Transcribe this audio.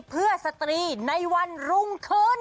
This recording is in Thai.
เพื่อสตรีในวันรุ่งขึ้น